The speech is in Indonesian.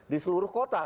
di seluruh kota